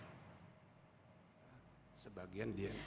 kalau anda ingat sudah ada yang menangani perangai pelanggaran kode itu